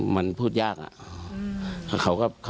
มันพูดยากครับ